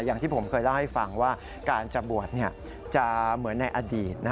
อย่างที่ผมเคยเล่าให้ฟังว่าการจะบวชจะเหมือนในอดีต